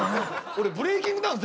俺ブレイキングダウン